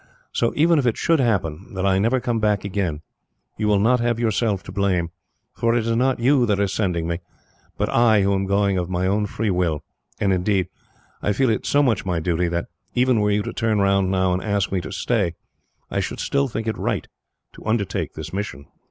So, even if it should happen that I never come back again, you will not have yourself to blame, for it is not you that are sending me, but I who am going of my free will; and indeed, I feel it so much my duty that, even were you to turn round now and ask me to stay, I should still think it right to undertake this mission.